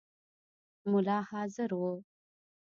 مُلا حاضر وو.